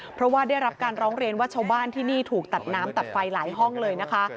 เพราะว่าได้รับการร้องเรียนว่าชาวบ้านที่นี่ถูกตัดน้ำตัดไฟหลายห้องเลยนะคะ